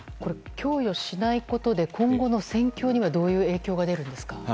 供与しないことで今後の戦況にはどういう影響が出ますか？